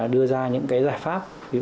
đưa ra những cái giải pháp